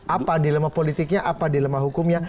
apa dilema politiknya apa dilema hukumnya